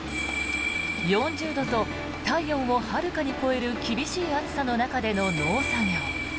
４０度と体温をはるかに超える厳しい暑さの中での農作業。